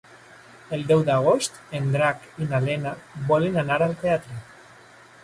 El deu d'agost en Drac i na Lena volen anar al teatre.